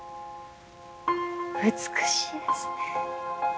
美しいですね。